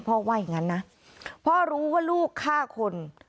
ว่าอย่างนั้นนะพ่อรู้ว่าลูกฆ่าคน